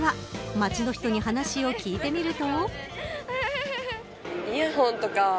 街の人に話を聞いてみると。